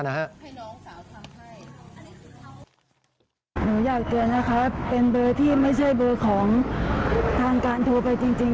หนูอยากเตือนนะคะเป็นเบอร์ที่ไม่ใช่เบอร์ของทางการโทรไปจริง